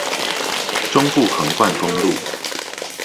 中部橫貫公路